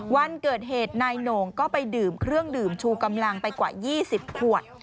วันเกิดเหตุนายโหน่งก็ไปดื่มเครื่องดื่มชูกำลังไปกว่า๒๐ขวด